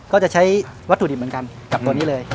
ก็จะใช้วัตถุดิบเหมือนกันกับตัวนี้เลย